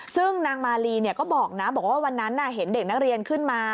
ซึ่งนางมาลีก็บอกนะบอกว่าวันนั้นเห็นเด็กนักเรียนขึ้นมา